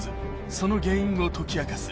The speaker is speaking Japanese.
その原因を解き明かす